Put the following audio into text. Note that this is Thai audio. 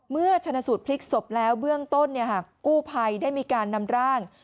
ชนะสูตรพลิกศพแล้วเบื้องต้นกู้ภัยได้มีการนำร่าง